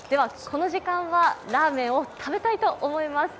この時間はラーメンを食べたいと思います。